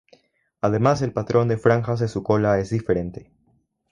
Además el patrón de franjas de su cola es diferente.